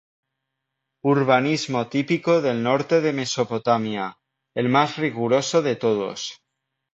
Urbanismo típico del norte de Mesopotamia, el más riguroso de todos.